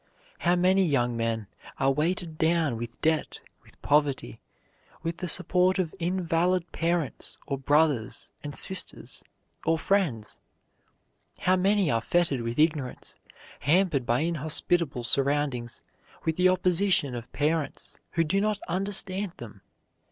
How many young men are weighted down with debt, with poverty, with the support of invalid parents or brothers and sisters, or friends? How many are fettered with ignorance, hampered by inhospitable surroundings, with the opposition of parents who do not understand them?